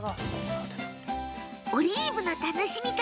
オリーブの楽しみ方